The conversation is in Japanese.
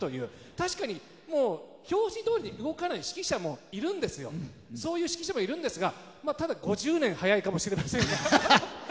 確かに、拍子どおりに動かないそういう指揮者もいるんですがただ、５０年早いかもしれない。